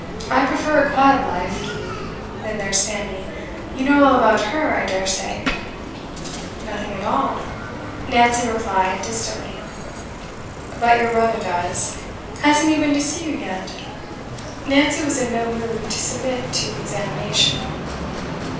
I prefer a quiet life. Then there's Fanny. You know all about her, I dare say?' 'Nothing at all,' Nancy replied distantly. 'But your brother does. Hasn't he been to see you yet?' Nancy was in no mood to submit to examination.